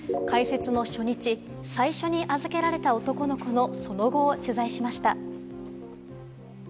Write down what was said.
開設の初日、最初に預けられた男の子のその後を取材しました。